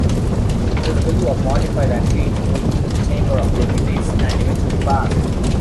This bill was modified and reintroduced into the Chamber of deputies and eventually passed.